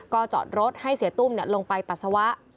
ก็จอดรถให้เสียตุ้มลงไปปัสสาวะ